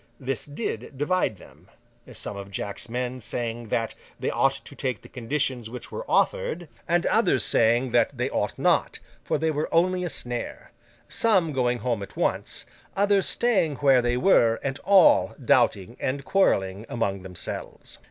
This did divide them; some of Jack's men saying that they ought to take the conditions which were offered, and others saying that they ought not, for they were only a snare; some going home at once; others staying where they were; and all doubting and quarrelling among themselves.